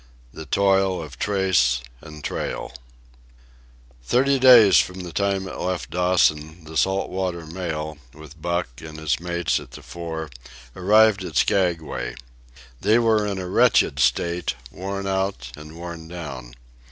The Toil of Trace and Trail Thirty days from the time it left Dawson, the Salt Water Mail, with Buck and his mates at the fore, arrived at Skaguay. They were in a wretched state, worn out and worn down.